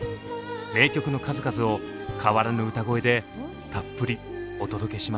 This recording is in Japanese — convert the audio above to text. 名曲の数々を変わらぬ歌声でたっぷりお届けします。